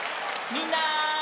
みんな！